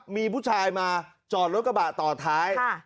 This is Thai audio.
มีผู้ชายมาจอดรถกระบะต่อท้าย